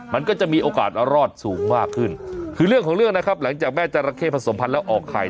มันก็จะมีโอกาสรอดสูงมากขึ้นคือเรื่องของเรื่องนะครับหลังจากแม่จราเข้ผสมพันธ์แล้วออกไข่